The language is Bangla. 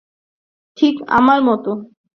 ঠিক আমার মত।